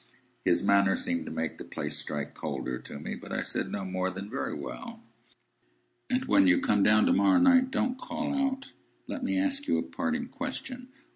His manner seemed to make the place strike colder to me, but I said no more than, "Very well." "And when you come down to morrow night, don't call out! Let me ask you a parting question.